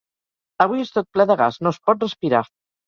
Avui és tot ple de gas, no es pot respirar.